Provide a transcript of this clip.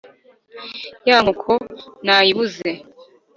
ya nkoko nayibuze"!